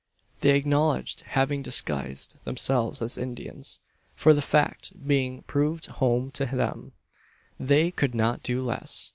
They acknowledged having disguised themselves as Indians: for the fact being proved home to them, they could not do less.